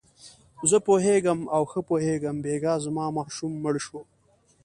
زه پوهېږم او ښه پوهېږم، بېګا زما ماشوم مړ شو.